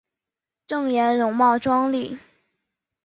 郑俨容貌壮丽。